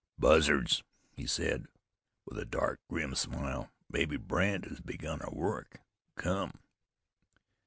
"Buzzards!" he said, with a dark, grim smile. "Mebbe Brandt has begun our work. Come."